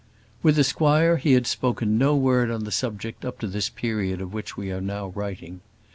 With the squire he had spoken no word on the subject up to this period of which we are now writing.